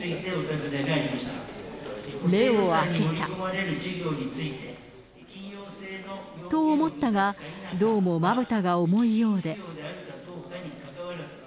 目を開けた。と思ったが、どうもまぶたが重いようで。